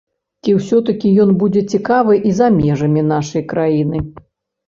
Ці ўсё-такі ён будзе цікавы і за межамі нашай краіны?